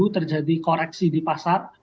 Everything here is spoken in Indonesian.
terjadi koreksi di pasar